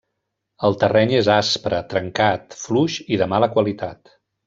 El terreny és aspre, trencat, fluix i de mala qualitat.